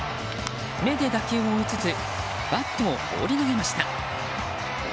目で打球を追いつつバットを放り投げました。